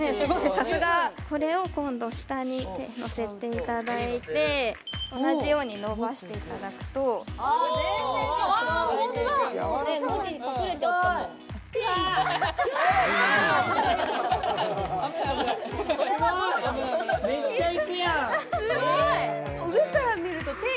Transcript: さすがこれを今度下に手のせていただいて同じように伸ばしていただくと・全然違うすごいうわ危ない危ないすごい！